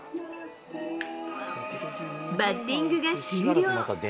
バッティングが終了。